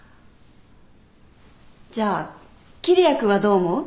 じゃあ桐矢君はどう思う？